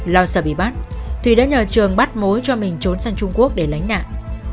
lào sợ bị bắt thùy đã nhờ trường bắt mối cho mình trốn sang trung quốc để lãnh nạn